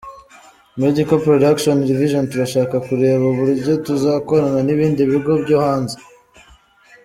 Medical Production Division : Turashaka kureba uburyo tuzakorana n’ibindi bigo byo hanze.